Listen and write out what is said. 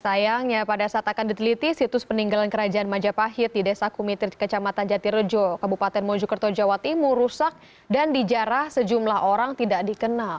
sayangnya pada saat akan diteliti situs peninggalan kerajaan majapahit di desa kumitir kecamatan jatirejo kabupaten mojokerto jawa timur rusak dan dijarah sejumlah orang tidak dikenal